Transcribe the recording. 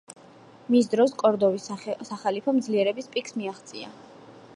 მის დროს კორდოვის სახალიფომ ძლიერების პიკს მიაღწია.